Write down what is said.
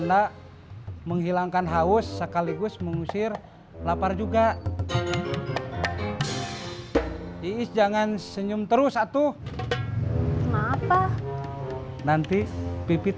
di tangkuban perahu aja di sana pemandangannya bagus